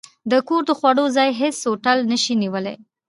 د کور د خوړو، ځای هېڅ هوټل نه شي نیولی.